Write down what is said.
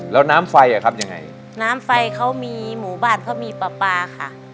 แล้วน้ำไฟอ่ะครับยังไงน้ำไฟเขามีหมู่บ้านเขามีปลาปลาค่ะ